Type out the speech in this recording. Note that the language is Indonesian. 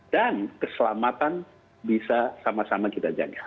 dan keselamatan bisa sama sama kita jaga